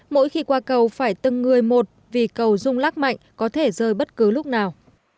mỗi khi qua cầu phải tưng người một vì cầu rung lắc mạnh có thể rơi bất cứ lúc nào